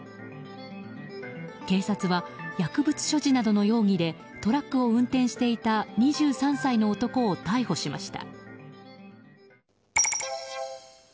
警察は、薬物所持などの容疑でトラックを運転していた２３歳の男を逮捕しました。